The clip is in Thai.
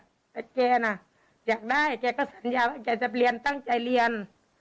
คือหนูไม่ได้อยากซื้อให้แกแต่แกอยากได้แกก็สัญญาว่าจะเปลี่ยนตั้งใจเรียน